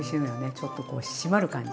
ちょっとこう締まる感じ